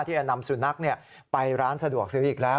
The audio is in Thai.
ที่จะนำสุนัขไปร้านสะดวกซื้ออีกแล้ว